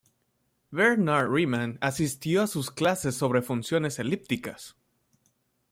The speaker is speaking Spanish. Bernhard Riemann asistió a sus clases sobre funciones elípticas.